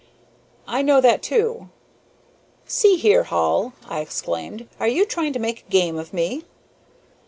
"I know that, too." "See here, Hall," I exclaimed, "are you trying to make game of me?"